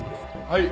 はい。